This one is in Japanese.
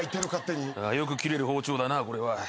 よく切れる包丁だなこれは。